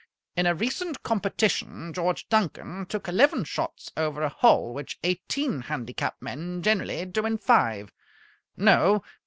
In a recent competition George Duncan took eleven shots over a hole which eighteen handicap men generally do in five. No!